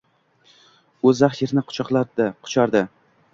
U zax yerni quchardi.